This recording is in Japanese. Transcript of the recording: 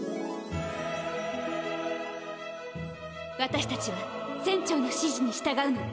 私達は船長の指示に従うの。